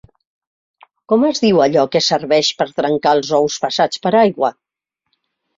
Com es diu allò que serveix per trencar els ous passats per aigua?